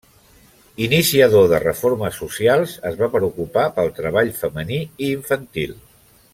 Iniciador de reformes socials, es va preocupar pel treball femení i infantil.